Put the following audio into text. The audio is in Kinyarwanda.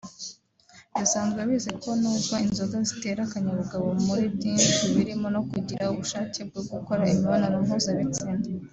Bisanzwe bizwi ko nubwo inzoga zitera akanyabugabo muri byinshi birimo no kugira ubushake bwo gukora imibonano mpuzabitsina